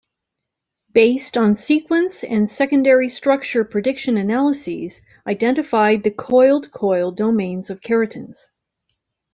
Based on sequence and secondary structure prediction analyses identified the coiled-coil domains of keratins.